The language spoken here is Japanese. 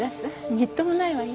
みっともないわよ。